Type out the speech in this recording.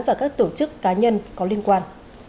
và các tổ chức cá nhân có liên quan